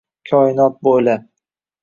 Koinot bo’ylab